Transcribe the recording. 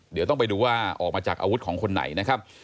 เดี๋ยวต้องไปดูว่าออกมาจากอาวุธของคนไหนนะครับ